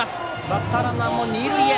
バッターランナーも二塁へ。